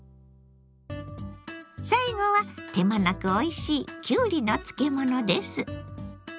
最後は手間なくおいしいきゅうりの漬物です。